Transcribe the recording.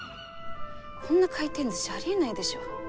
こんな回転ずしありえないでしょ？